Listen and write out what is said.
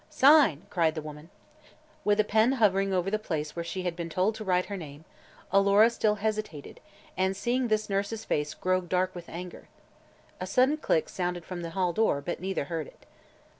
"Sign!" cried the woman. With pen hovering over the place where she had been told to write her name, Alora still hesitated and seeing this the nurse's face grew dark with anger. A sudden "click" sounded from the hall door, but neither heard it.